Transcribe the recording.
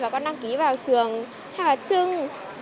và con đăng ký vào trường hay là trưng